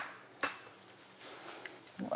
うわ